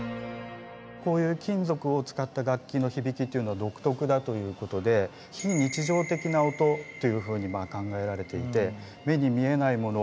こういう金属を使った楽器の響きっていうのは独特だということで非日常的な音っていうふうに考えられていて目に見えないもの